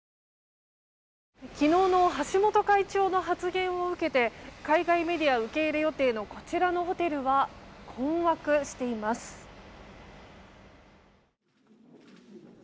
昨日の橋本会長の発言を受けて海外メディア受け入れ予定のこちらのホテルは困惑しています。